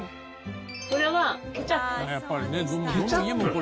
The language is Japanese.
これはケチャップです。